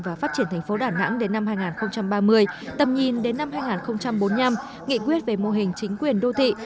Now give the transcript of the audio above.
và phát triển thành phố đà nẵng đến năm hai nghìn ba mươi tầm nhìn đến năm hai nghìn bốn mươi năm nghị quyết về mô hình chính quyền đô thị